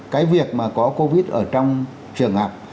cái việc mà có covid một mươi chín ở trong trường học